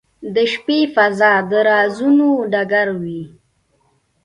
• د شپې فضاء د رازونو ډکه وي.